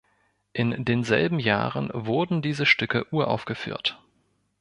In denselben Jahren wurden diese Stücke uraufgeführt.